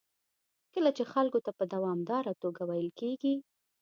کله چې خلکو ته په دوامداره توګه ویل کېږي